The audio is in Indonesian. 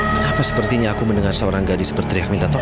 kenapa sepertinya aku mendengar seorang gadis berteriak minta tolong